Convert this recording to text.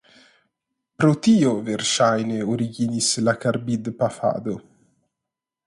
Pro tio verŝajne originis la karbidpafado.